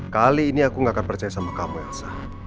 kali ini aku gak akan percaya sama kamu elsa